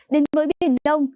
đến với biển đông